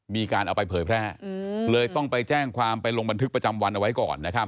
มีการเอาไปเผยแพร่เลยต้องไปแจ้งความไปลงบันทึกประจำวันเอาไว้ก่อนนะครับ